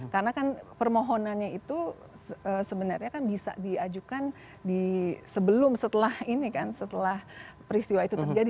karena kan permohonannya itu sebenarnya kan bisa diajukan sebelum setelah ini kan setelah peristiwa itu terjadi